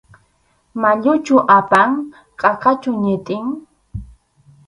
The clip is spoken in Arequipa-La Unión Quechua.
¿Mayuchu apan?, ¿qaqachu ñitin?